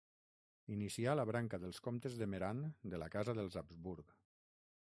Inicià la branca dels comtes de Meran de la Casa dels Habsburg.